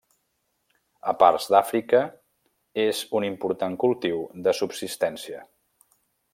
A parts d'Àfrica és un important cultiu de subsistència.